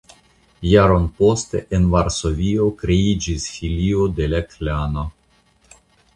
Jaron poste en Varsovio kreiĝis filio de la Klano.